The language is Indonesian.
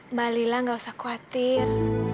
mbak lila gak usah khawatir